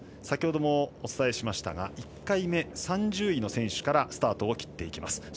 先ほどもお伝えしましたが１回目３０位の選手からスタートを切っていきます。